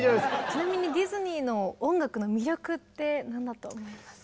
ちなみにディズニーの音楽の魅力って何だと思いますか？